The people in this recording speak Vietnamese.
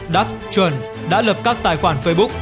đắc chuẩn đã lập các tài khoản facebook